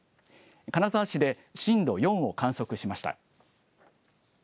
金沢市で震度４を観測しました。